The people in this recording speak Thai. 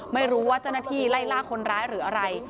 ไม่รู้ว่าเจ้าหน้าที่ไล่ล่าคนร้าย